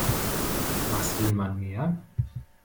Was will man mehr?